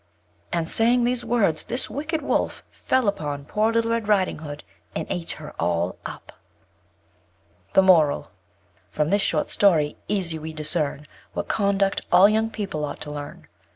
And, saying these words, this wicked Wolf fell upon poor Little Red Riding Hood, and ate her all up. The Moral _From this short story easy we discern What conduct all young people ought to learn.